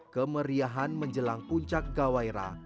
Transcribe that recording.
kemeriahan menjelang puncak gawairah